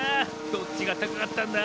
どっちがたかかったんだ？